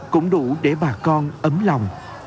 cũng đủ để bà con ấm lòng